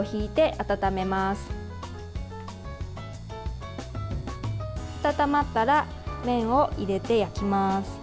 温まったら麺を入れて焼きます。